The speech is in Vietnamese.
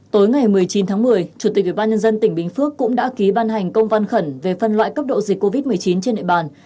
tối ngày một mươi chín tháng một mươi chủ tịch ubnd tỉnh bình phước cũng đã ký ban hành công văn khẩn về phân loại cấp độ dịch covid một mươi chín trên nệp bàn